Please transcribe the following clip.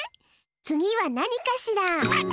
つぎはなにかしら？